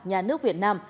nhà nước việt nam